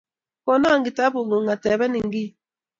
Konon kitaput ng'ung' atoben kiy